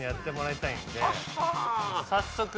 早速。